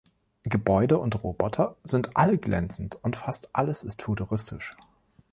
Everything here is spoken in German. Gebäude und Roboter sind alle glänzend und fast alles ist futuristisch.